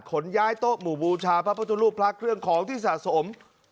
ขนย้ายโต๊ะหมู่บูชาพระพุทธรูปพระเครื่องของที่สะสม